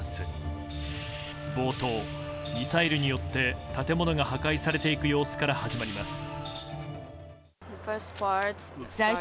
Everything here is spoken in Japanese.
冒頭、ミサイルによって建物が破壊されていく様子から始まります。